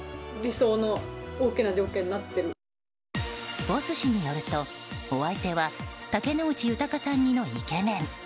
スポーツ紙によると、お相手は竹野内豊さん似のイケメン。